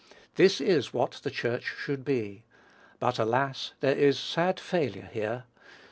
This is what the Church should be; but, alas! there is sad failure here.